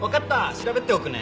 調べておくね。